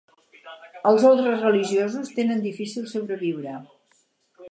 Els ordes religiosos tenen difícil sobreviure.